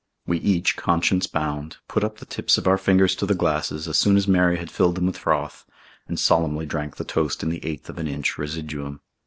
We each, conscience bound, put up the tips of our fingers to the glasses as soon as Mary had filled them with froth, and solemnly drank the toast in the eighth of an inch residuum.